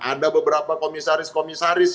ada beberapa komisaris komisaris